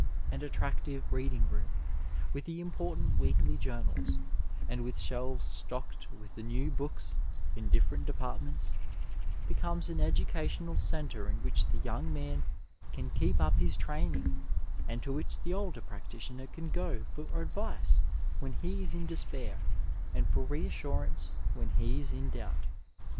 An attractive reading room, with the important weekly journals, and with shdves stocked with the new books in different departments, becomes an educational centre 867 Digitized by VjOOQIC ON THE EDUCATIONAL VALUE in which the young man can keep aphis training and to which the older practitioner can go for advice when he is in despair and for reassurance when he is in doubt.